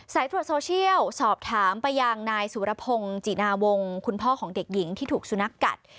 ตรวจโซเชียลสอบถามไปยังนายสุรพงศ์จินาวงศ์คุณพ่อของเด็กหญิงที่ถูกสุนัขกัด